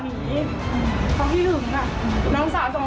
มีความรู้สึกว่ามีความรู้สึกว่า